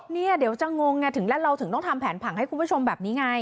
เนี่ยเดี๋ยวจะงงไงถึงแล้วเราถึงต้องทำแผนผังให้คุณผู้ชมแบบนี้ไง